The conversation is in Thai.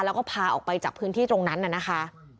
แล้วก็พาออกไปจากพื้นที่ตรงนั้นน่ะนะคะ